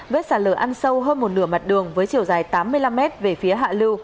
vết xả lở ăn sâu hơn một nửa mặt đường với chiều dài tám mươi năm m về phía hạ lưu